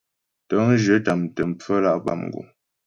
Tə̂ŋjyə tâmtə pfəmlǎ' bâ mguŋ.